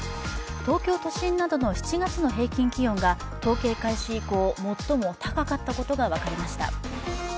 東京都心などの７月の平均気温が統計開始以降最も高かったことが分かりました。